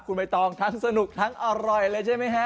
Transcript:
คุณใบตองทั้งสนุกทั้งอร่อยเลยใช่ไหมฮะ